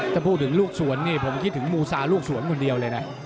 ถ้าพูดถึงลูกสวนนี่ผมคิดถึงมูซาลูกสวนคนเดียวเลยนะ